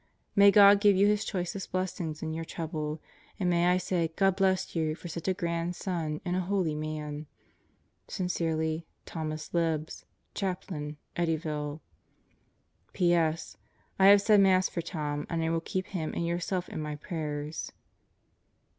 May God give you His choicest blessings in your trouble, and may I say God bless you for such a grand son and a holy man. Sincerely, Thomas Libs, Chaplain, Eddyville. P.S. I have said Mass for Tom and I will keep him and yourself in my prayers.